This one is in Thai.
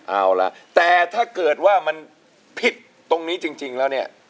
เอาล่ะแต่ถ้าเกิดว่ามันผิดตรงนี้จริงแล้วเนี่ย